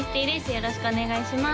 よろしくお願いします